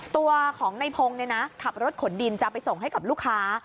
ตัวของในพงศ์ขับรถขนดินจะไปส่งให้กับลูกค้า